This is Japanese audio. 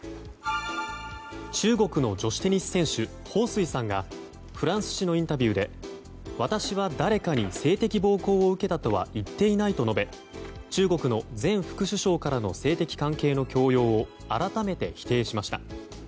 中国の女子テニス選手ホウ・スイさんがフランス紙のインタビューで私は誰かに性的暴行を受けたとは言っていないと述べ中国の前副首相からの性的関係の強要を改めて否定しました。